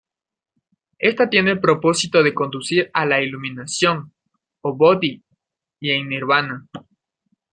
Esta tiene el propósito de conducir a la iluminación, o bodhi, y el Nirvana.